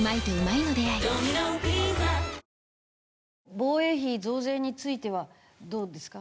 防衛費増税についてはどうですか？